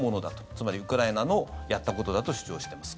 つまり、ウクライナのやったことだと主張しています。